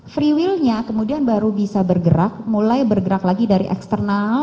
free will nya kemudian baru bisa bergerak mulai bergerak lagi dari eksternal